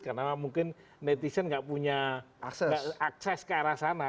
karena mungkin netizen nggak punya akses ke arah sana